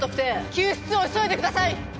救出を急いでください！